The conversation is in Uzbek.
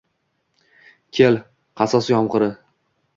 kel, qasos yomg’iri –